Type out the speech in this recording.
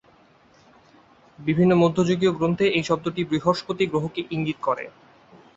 বিভিন্ন মধ্যযুগীয় গ্রন্থে এই শব্দটি বৃহস্পতি গ্রহকে ইঙ্গিত করে।